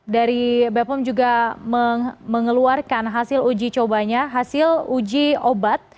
dari bepom juga mengeluarkan hasil uji cobanya hasil uji obat